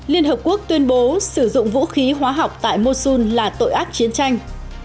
liên hợp quốc tuyên bố sử dụng vũ khí hóa học tại mosun là tội ác chiến tranh